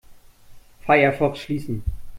Firefox schließen.